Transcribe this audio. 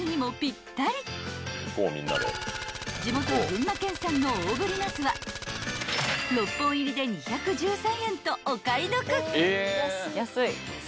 ［地元群馬県産の大ぶりなすは６本入りで２１３円とお買い得］